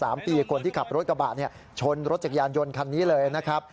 ปีคนที่ขับรถกระบะเนี่ยชนรถจักรยานยนต์คันนี้เลยนะครับ